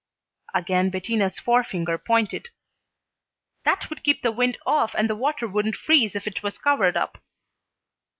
Again Bettina's forefinger pointed. "That would keep the wind off and the water wouldn't freeze if it was covered up."